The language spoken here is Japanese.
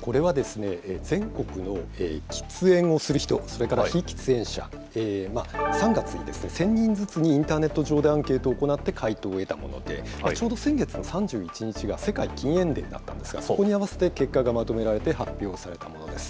これは全国の喫煙をする人、それから非喫煙者、３月に１０００人ずつにインターネット上でアンケートを行って、回答を得たもので、ちょうど先月の３１日が世界禁煙デーだったんですが、そこに合わせて結果がまとめられて、発表されたものです。